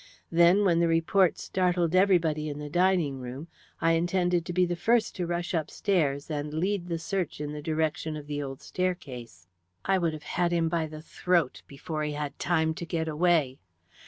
Then, when the report startled everybody in the dining room, I intended to be the first to rush upstairs, and lead the search in the direction of the old staircase. I would have had him by the throat, before he had time to get away.